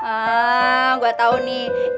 ah gue tau nih